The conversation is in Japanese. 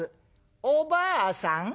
「おばあさん